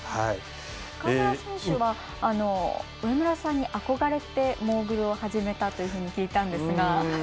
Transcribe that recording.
川村選手は上村さんに憧れてモーグルを始めたというふうに聞いたんですが。